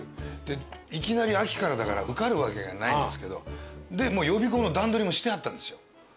でいきなり秋からだから受かるわけがないんですけどで予備校の段取りもしてあったんですよ。